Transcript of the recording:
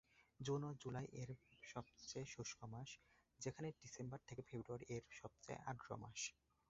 June ও July এর সবচেয়ে শুষ্ক মাস, যেখানে ডিসেম্বর থেকে ফেব্রুয়ারি এর সবচেয়ে আর্দ্র মাস।